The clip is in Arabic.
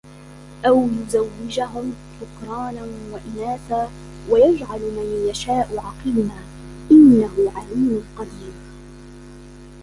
أَو يُزَوِّجُهُم ذُكرانًا وَإِناثًا وَيَجعَلُ مَن يَشاءُ عَقيمًا إِنَّهُ عَليمٌ قَديرٌ